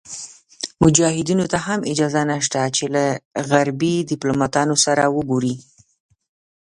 مجاهدینو ته هم اجازه نشته چې له غربي دیپلوماتانو سره وګوري.